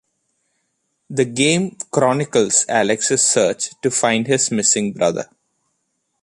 The game chronicles Alex's search to find his missing brother.